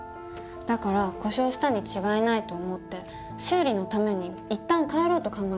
だから故障したに違いないと思って修理のために一旦帰ろうと考えたの。